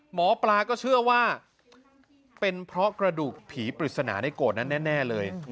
หมอปลาก็เชื่อว่าเป็นเพราะกระดูกผีปริศนาในโกรธนั้นแน่เลย